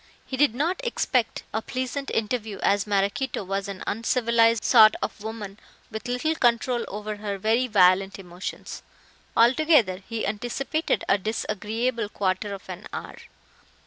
He did not expect a pleasant interview, as Maraquito was an uncivilized sort of woman with little control over her very violent emotions. Altogether, he anticipated a disagreeable quarter of an hour.